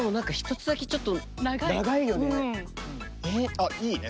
あいいね。